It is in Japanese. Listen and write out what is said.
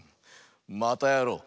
またやろう！